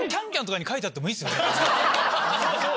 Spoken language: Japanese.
そうそう！